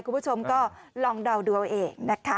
คุณผู้ชมก็ลองเดาดูเอาเองนะคะ